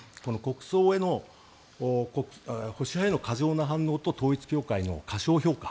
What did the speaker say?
国葬への保守派への過剰な反応と統一教会の過小評価